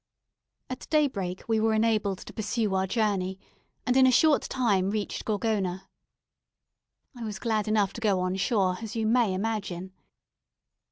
At daybreak we were enabled to pursue our journey, and in a short time reached Gorgona. I was glad enough to go on shore, as you may imagine.